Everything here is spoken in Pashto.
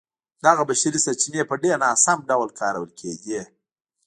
دغه بشري سرچینې په ډېر ناسم ډول کارول کېدې.